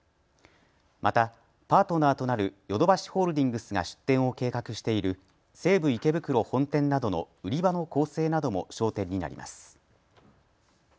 また、パートナーとなるヨドバシホールディングスが出店を計画している西武池袋本店などの売り場の構成なども焦点になります。